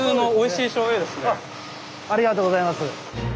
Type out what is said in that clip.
ありがとうございます。